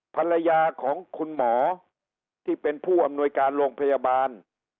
ภรรยาของคุณหมอที่เป็นผู้อำนวยการโรงพยาบาล